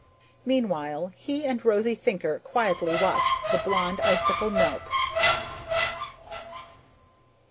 Meanwhile, he and Rose Thinker quietly watched the Blonde Icicle melt.